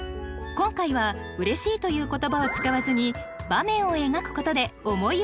今回は「嬉しい」という言葉を使わずに場面を描くことで思いを伝えます。